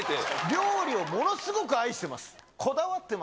料理をものすごく愛してます。